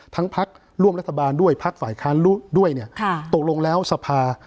พักร่วมรัฐบาลด้วยพักฝ่ายค้านด้วยเนี่ยตกลงแล้วสภา